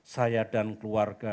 saya dan keluarga